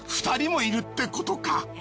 ２人もいるってことか。